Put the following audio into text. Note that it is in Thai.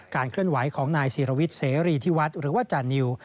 เคลื่อนไหวของนายศิรวิทย์เสรีที่วัดหรือว่าจานิว